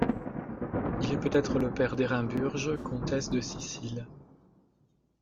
Il est peut-être le père d'Éremburge, comtesse de Sicile.